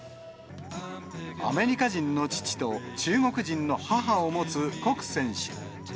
アメリカ人の父と中国人の母を持つ谷選手。